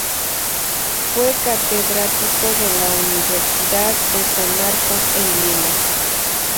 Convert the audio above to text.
Fue catedrático de la Universidad de San Marcos en Lima.